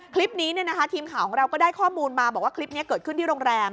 คลิปนี้ทีมข่าวของเราก็ได้ข้อมูลมาบอกว่าคลิปนี้เกิดขึ้นที่โรงแรม